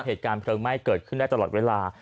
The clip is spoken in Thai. เหตุการณ์เพลิงไหม้เกิดขึ้นได้ตลอดเวลา